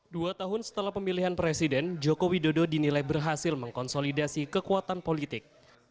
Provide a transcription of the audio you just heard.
dua tahun setelah pemilihan presiden joko widodo dinilai berhasil mengkonsolidasi kekuatan politik